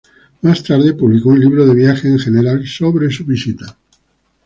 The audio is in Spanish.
Más tarde publicó un libro de viajes en general sobre su visita.